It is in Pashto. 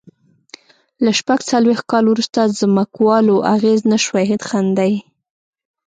له شپږ څلوېښت کال وروسته ځمکوالو اغېز نه شوای ښندي.